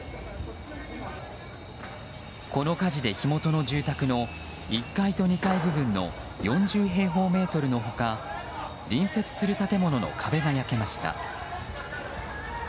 この火事で火元の住宅の１階と２階部分の４０平方メートルの他隣接する建物の壁が焼けました。